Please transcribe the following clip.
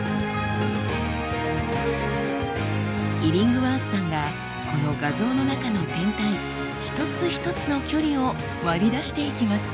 イリングワースさんがこの画像の中の天体一つ一つの距離を割り出していきます。